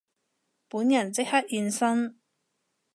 本人即刻現身